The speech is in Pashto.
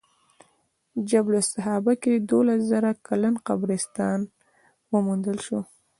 جبل سحابه کې دولس زره کلن قبرستان وموندل شو.